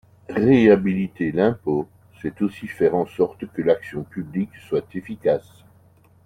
Réhabiliter l’impôt, c’est aussi faire en sorte que l’action publique soit efficace.